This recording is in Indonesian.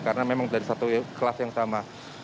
karena memang dari satu kelas yang sama